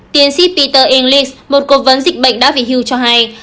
tiến ship peter englis một cố vấn dịch bệnh đã về hưu cho hay